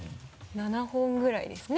７本ぐらいですね。